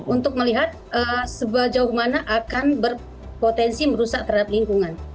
untuk melihat seberapa jauh mana akan berpotensi merusak terhadap lingkungan